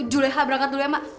juleha berangkat dulu ya mak